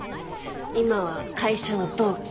今は会社の同期。